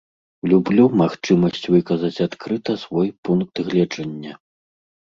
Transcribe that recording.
Люблю магчымасць выказаць адкрыта свой пункт гледжання.